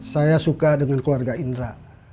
saya suka dengan keluarga indra